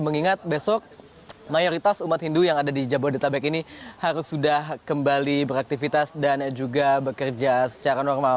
mengingat besok mayoritas umat hindu yang ada di jabodetabek ini harus sudah kembali beraktivitas dan juga bekerja secara normal